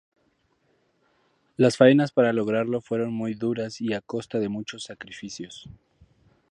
Las faenas para lograrlo fueron muy duras y a costa de muchos sacrificios.